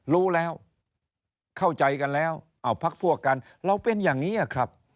รู้แล้วเข้าใจกันแล้วเอาพักพวกกันเราเป็นอย่างนี้ครับ